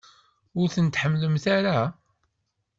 Ur tent-tḥemmlemt ara?